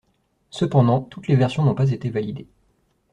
Cependant, toutes les versions n'ont pas été validées.